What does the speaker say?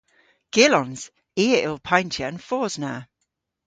Gyllons. I a yll payntya an fos na.